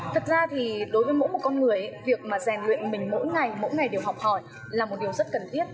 thật ra thì đối với mỗi một con người việc mà rèn luyện mình mỗi ngày mỗi ngày đều học hỏi là một điều rất cần thiết